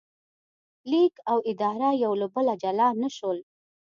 لیک او اداره یو له بله جلا نه شول.